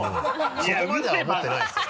そこまでは思ってないですよ。